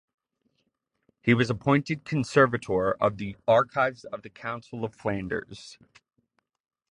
He was appointed conservator of the archives of the Council of Flanders.